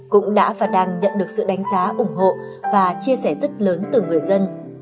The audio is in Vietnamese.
cũng đã và đang nhận được sự đánh giá ủng hộ và chia sẻ rất lớn từ người dân